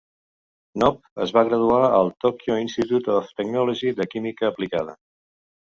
Nob es va graduar al Tokyo Institute of Technology en Química aplicada.